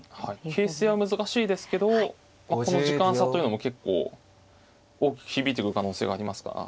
形勢は難しいですけどこの時間差というのも結構大きく響いてくる可能性がありますから。